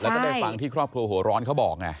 แล้วก็ได้ฟังที่ครอบครัวหัวร้อนเขาบอกไง